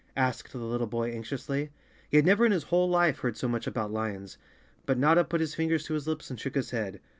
asked the little boy anxiously. He had never in his whole life heard so much about lions. But Notta put his fingers to his lips and shook his head.